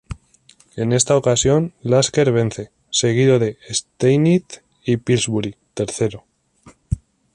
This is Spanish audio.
En esta ocasión, Lasker vence, seguido de Steinitz, y Pillsbury tercero.